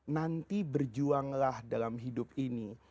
nanti berjuanglah dalam hidup ini